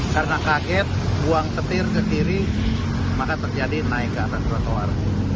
karena kaget buang ketir ke kiri maka terjadi naik ke atas trotoar